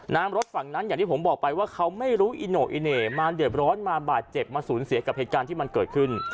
น้ำรถฝั่งนั้นอย่างที่ผมบอกไปว่าเขาไม่รู้อิโนอิเน่มาเดือดร้อนมาบาดเจ็บมาสูญเสียกับเหตุการณ์ที่มันเกิดขึ้น